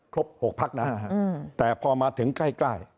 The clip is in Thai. ครบ๖พักนะแต่พอมาถึงใกล้